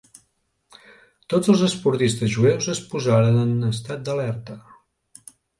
Tots els esportistes jueus es posaren en estat d'alerta.